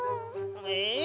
え？